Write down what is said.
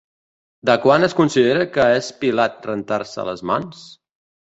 De quan es considera que és Pilat rentant-se les mans?